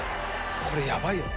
これやばいよね。